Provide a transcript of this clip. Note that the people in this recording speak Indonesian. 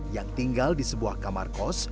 yang tinggal di sebuah kamarkos